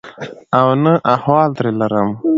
او نه احوال ترې لرم.